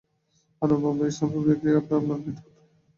আপনার বাবার ইনসমনিয়া কি আপনার মার মৃত্যুর পর থেকে শুরু হয়েছে?